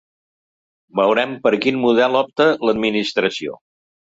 Veurem per quin model opta l’administració.